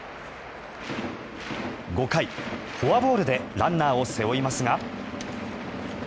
５回、フォアボールでランナーを背負いますが。